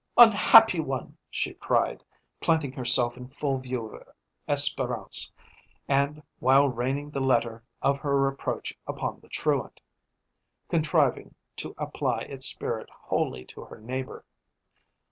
"Unhappy one!" she cried, planting herself in full view of Espérance, and, while raining the letter of her reproach upon the truant, contriving to apply its spirit wholly to her neighbour.